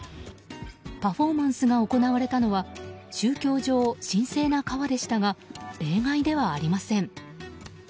パフォーマンスが行われたのは宗教上神聖な川でしたが例外ではありません。